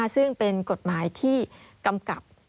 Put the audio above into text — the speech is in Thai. ซึ่งเป็นกฎหมายที่กำกับ